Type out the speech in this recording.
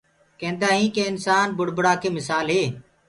ڪيندآ هينٚ ڪي انسآن بُڙبُرآ ڪي مسآل هي۔